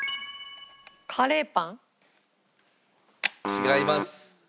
違います。